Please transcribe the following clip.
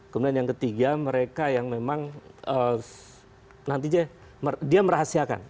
kemudian yang ketiga mereka yang memang nantinya dia merahasiakan